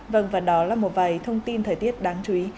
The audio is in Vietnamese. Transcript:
vâng và đó là một vài thông tin thời tiết đáng chú ý